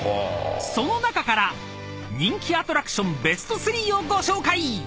［その中から人気アトラクションベスト３をご紹介］